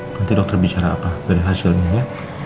nanti dokter bicara apa dari hasilnya ya